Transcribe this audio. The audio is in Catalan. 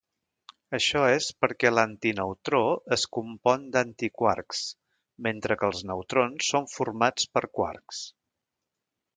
Això és perquè l'antineutró es compon d'antiquarks, mentre que els neutrons són formats per quarks.